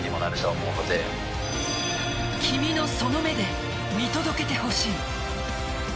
君のその目で見届けてほしい。